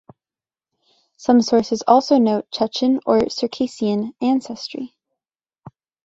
Some sources also note Chechen or Circassian ancestry.